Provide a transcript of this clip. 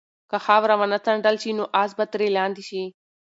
که خاوره ونه څنډل شي نو آس به ترې لاندې شي.